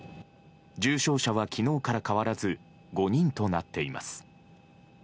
重症者は昨日から変わらず５人となっています。